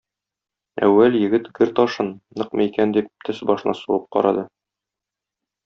Әүвәл егет гер ташын, ныкмы икән дип тез башына сугып карады.